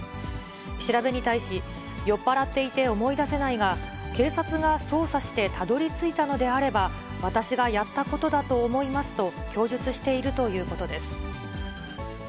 調べに対し、酔っ払っていて思い出せないが、警察が捜査してたどりついたのであれば、私がやったことだと思いますと、供述しているということです。